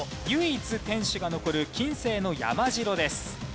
唯一天守が残る近世の山城です。